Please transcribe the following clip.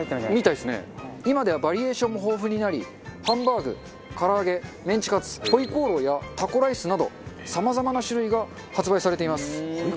今ではバリエーションも豊富になりハンバーグ唐揚げメンチカツ回鍋肉やタコライスなどさまざまな種類が発売されています。